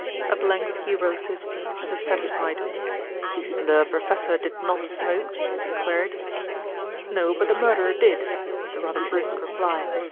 At length he rose to his feet as if satisfied. "The professor did not smoke?" he queried. "No; but the murderer did," was the rather brusque reply.